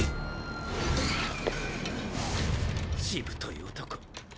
しぶとい男。